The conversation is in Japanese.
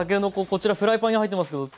こちらフライパンに入ってますけど。